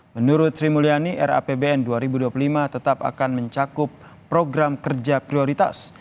menurut sri mulyani rapbn dua ribu dua puluh lima tetap akan mencakup program kerja prioritas